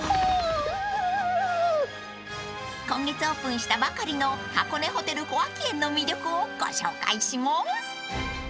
［今月オープンしたばかりの箱根ホテル小涌園の魅力をご紹介しまーす］